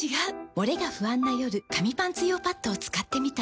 モレが不安な夜紙パンツ用パッドを使ってみた。